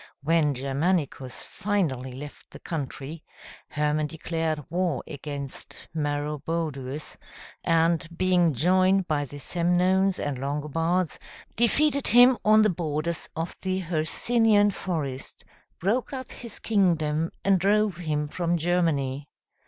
When Germanicus finally left the country, Hermann declared war against Maroboduus, and, being joined by the Semnones and Longobards, defeated him on the borders of the Hercynian forest, broke up his kingdom, and drove him from Germany.